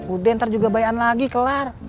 udah ntar juga bayaran lagi kelar